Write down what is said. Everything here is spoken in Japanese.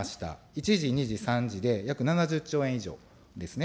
１次、２次、３次で約７０兆円以上ですね。